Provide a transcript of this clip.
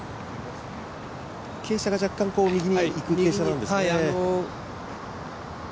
傾斜が若干、右にいく傾斜なんですね。